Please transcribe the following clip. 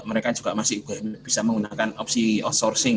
mereka juga masih bisa menggunakan opsi outsourcing